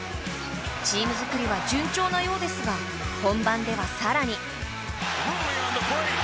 チーム作りは順調なようですが本番では更に。